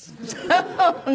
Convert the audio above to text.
そうね。